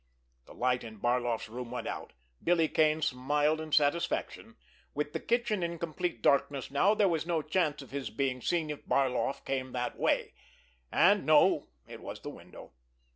The light in Barloff's room went out. Billy Kane smiled in satisfaction. With the kitchen in complete darkness now there was no chance of his being seen if Barloff came that way, and—no, it was the window!